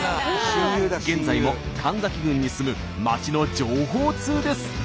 現在も神崎郡に住む町の情報通です。